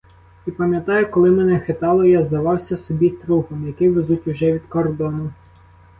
І, пам'ятаю, коли мене хитало, я здавався собі трупом, який везуть уже від кордону.